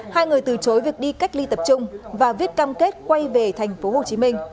hai người từ chối việc đi cách ly tập trung và viết cam kết quay về tp hcm